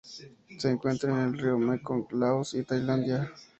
Se encuentra en el río Mekong: Laos y Tailandia.